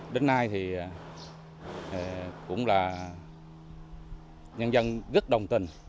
đến nay nhân dân rất đồng tình